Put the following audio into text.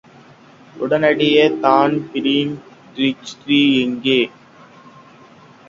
உடனேயே Dan Breen, Treacy எங்கே?